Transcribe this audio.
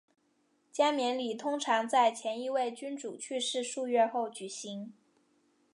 加冕礼通常在前一位君主去世数月后举行。